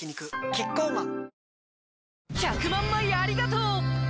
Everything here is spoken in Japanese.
キッコーマン